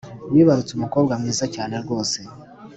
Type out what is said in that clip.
wibarutse umukobwa mwiza cyane rwose